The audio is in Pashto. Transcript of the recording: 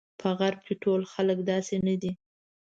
په غرب کې ټول خلک داسې نه دي.